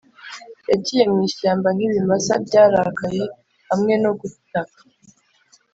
yagiye mwishyamba nkibimasa byarakaye, hamwe no gutaka